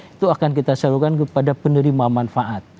itu akan kita salurkan kepada penerima manfaat